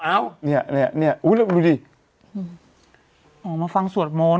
อ้าวนี่นี่นี่อุ้ยดูดิอ๋อมาฟังสวดโมน